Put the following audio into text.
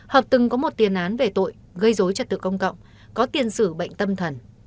hợp từng có một tiền án về tội gây dối trật tự công cộng có tiền sử bệnh tâm thần